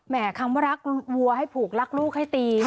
คำว่ารักวัวให้ผูกรักลูกให้ตี